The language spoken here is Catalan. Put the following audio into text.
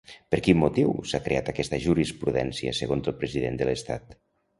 Per quin motiu s'ha creat aquesta jurisprudència segons el president de l'Estat?